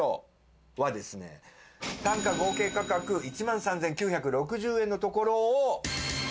単品合計価格１万３９６０円のところを。